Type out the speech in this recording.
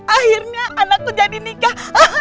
akhirnya anakku jadi nikah